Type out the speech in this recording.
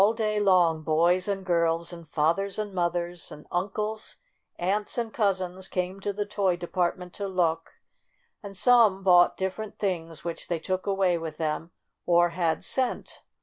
All day long boys and girls and fathers and mothers and uncles, aunts and cousins came to the toy department to look, and some bought different things which they took away with them, or had sent.